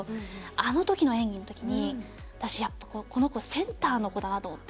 あの時の演技の時に私やっぱこの子センターの子だなと思って。